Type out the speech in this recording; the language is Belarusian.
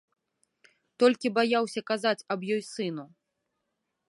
Толькі баяўся казаць аб ёй сыну.